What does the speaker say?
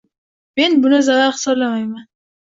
Men buni zarar hisoblamayman